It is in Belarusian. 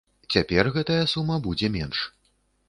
Цяпер гэтая сума будзе менш.